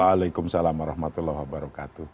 waalaikumsalam warahmatullahi wabarakatuh